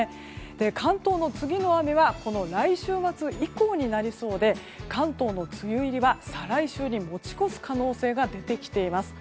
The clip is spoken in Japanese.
関東の次の雨は来週末以降になりそうで関東の梅雨入りは再来週に持ち越す可能性が出てきています。